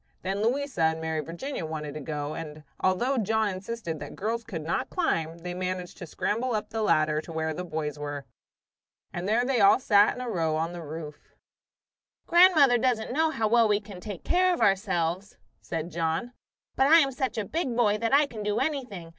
Then Louisa and Mary Virginia wanted to go, and although John insisted that girls could not climb, they managed to scramble up the ladder to where the boys were. And there they all sat in a row on the roof. "Grandmother doesn't know how well we can take care of ourselves," said John. "But I am such a big boy that I can do anything.